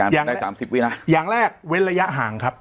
แยกได้สามสิบวินะอย่างแรกเว้นระยะห่างครับ